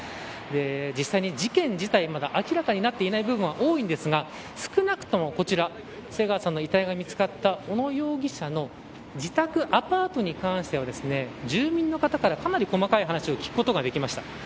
実際に、事件自体、まだ明らかになっていない部分が多いですが少なくとも、こちら瀬川さんの遺体が見つかった小野容疑者の自宅アパートに関しては住民の方から、かなり細かい話を聞くことができました。